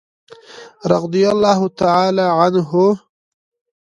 رضي الله تعالی عنه.